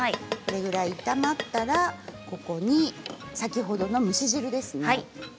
これぐらい炒まったら先ほどの蒸し汁です。